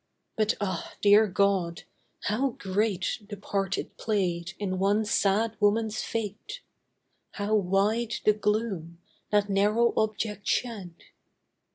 but Ah, dear God, how great The part it played in one sad woman's fate. How wide the gloom, that narrow object shed.